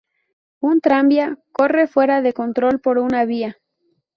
Un tranvía corre fuera de control por una vía.